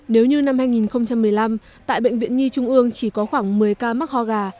nếu như năm hai nghìn một mươi năm tại bệnh viện nhi trung ương chỉ có khoảng một mươi ca mắc ho gà